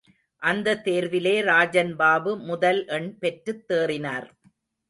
அந்த தேர்விலே ராஜன் பாபு முதல் எண் பெற்றுத் தேறினார்.